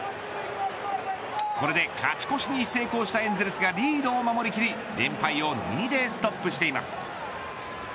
これで勝ち越しに成功したエンゼルスがリードを守りきり連敗を２でストップしています。